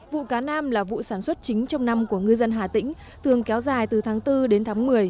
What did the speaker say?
vụ cá nam là vụ sản xuất chính trong năm của ngư dân hà tĩnh thường kéo dài từ tháng bốn đến tháng một mươi